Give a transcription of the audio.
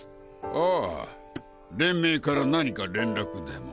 あぁ連盟から何か連絡でも？